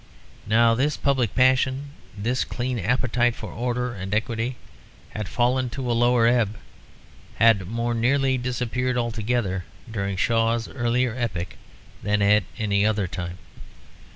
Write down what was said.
Now this public passion, this clean appetite for order and equity, had fallen to a lower ebb, had more nearly disappeared altogether, during Shaw's earlier epoch than at any other time.